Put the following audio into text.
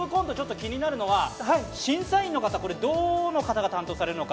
気になるのは、審査員の方、どんな方が担当されるのか。